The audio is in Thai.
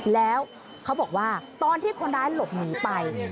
แล้วเขาบอกว่าตอนที่คนร้ายหลบหนีไป